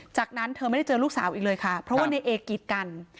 จากนั้นเธอไม่ได้เจอลูกสาวอีกเลยค่ะเพราะว่าในเอกีดกัน